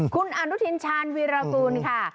คุณอนุทินชาญวีรกูลค่ะ